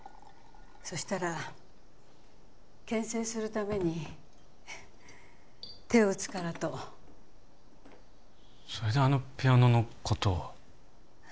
そしたら「けん制するために手を打つから」とそれであのピアノのことを？